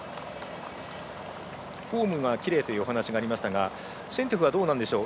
フォームがきれいというお話がありましたがシェントゥフはどうなんでしょう。